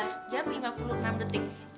waktu itu tujuh belas jam lima puluh enam detik